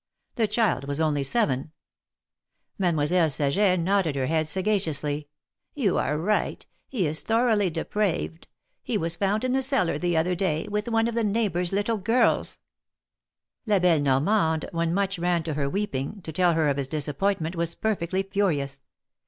The child was only seven. Mademoiselle Saget nodded her head sagaciously. " You are right ; he is thoroughly depraved. He was found in the cellar, the other day, with one of the neigh bors' little girls." La belle Yormande, when Much ran to her weeping, to tell her of his disappointment, was perfectly furious.